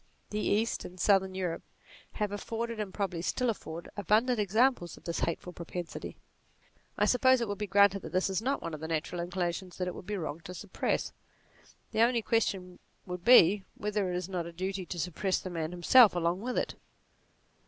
The East, and Southern Europe, have afforded, and probably still afford, abundant examples of this hateful propensity. I sup pose it will be granted that this is not one of the natural inclinations which it would be wrong to suppress. The only question would be whether it is not a duty to suppress the man himself along with it.